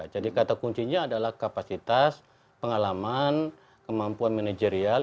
jadi kata kuncinya adalah kapasitas pengalaman kemampuan manajerial